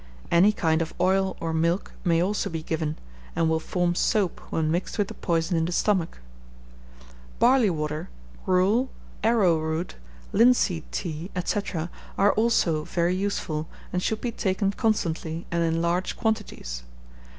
Any kind of oil or milk may also be given, and will form soap when mixed with the poison in the stomach. Barley water, gruel, arrowroot, linseed tea, &c., are also very useful, and should be taken constantly, and in large quantities.